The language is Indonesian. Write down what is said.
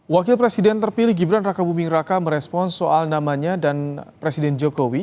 wakil presiden terpilih gibran raka buming raka merespon soal namanya dan presiden jokowi